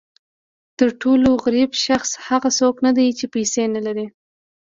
تر ټولو غریب شخص هغه څوک نه دی چې پیسې نه لري.